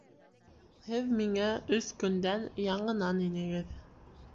Һеҙ миңә өс көндән яңынан инегеҙ.